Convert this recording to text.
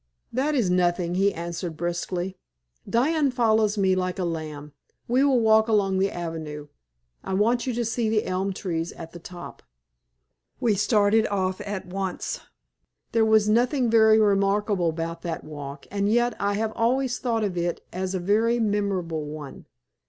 "That is nothing," he answered, briskly. "Diana follows me like a lamb. We will walk along the avenue. I want you to see the elm trees at the top." We started off at once. There was nothing very remarkable about that walk, and yet I have always thought of it as a very memorable one.